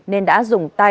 nên đã dùng tay